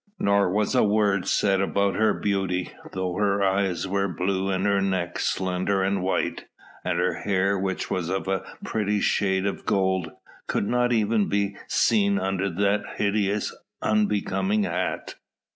Nor was a word said about her beauty, though her eyes were blue and her neck slender and white; and her hair, which was of a pretty shade of gold, could not even be seen under that hideous, unbecoming hat.